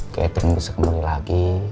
catherine bisa kembali lagi